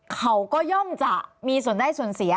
เขาก็ย่อมจะมีส่วนได้ส่วนเสีย